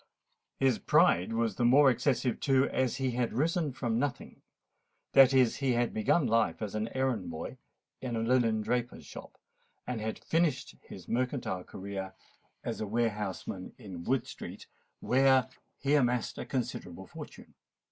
His pride was the more excessive too, as he had risen from nothing: that is, he had begun life as an errand boy in a linen draper's shop, and had finished his mercantile career as a warehouseman in Wood Street, where he amassed a considerable fortune.